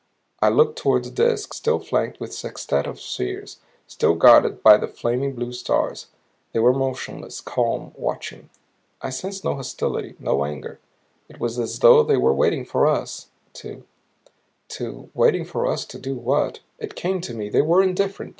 I looked toward the Disk, still flanked with its sextette of spheres, still guarded by the flaming blue stars. They were motionless, calm, watching. I sensed no hostility, no anger; it was as though they were waiting for us to to waiting for us to do what? It came to me they were indifferent.